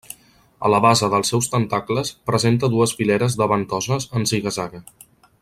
A la base dels seus tentacles presenta dues fileres de ventoses en ziga-zaga.